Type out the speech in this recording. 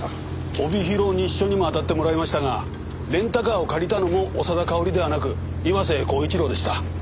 帯広西署にも当たってもらいましたがレンタカーを借りたのも長田かおりではなく岩瀬厚一郎でした。